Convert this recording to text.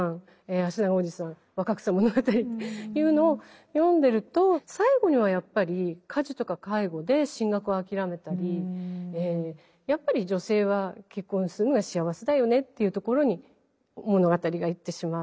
「あしながおじさん」「若草物語」というのを読んでると最後にはやっぱり家事とか介護で進学を諦めたりやっぱり女性は結婚するのが幸せだよねっていうところに物語がいってしまう。